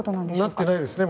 なっていないですね。